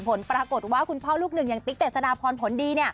ผลปรากฏว่าคุณพ่อลูกหนึ่งอย่างติ๊กเจษฎาพรผลดี